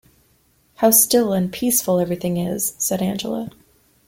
"How still and peaceful everything is," said Angela.